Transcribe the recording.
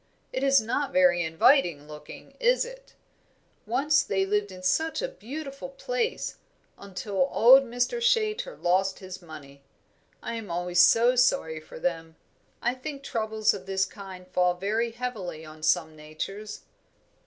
"It is not very inviting looking, is it? Once they lived in such a beautiful place, until old Mr. Chaytor lost his money. I am always so sorry for them. I think troubles of this kind fall very heavily on some natures."